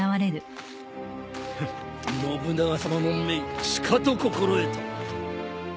フッ信長さまの命しかと心得た。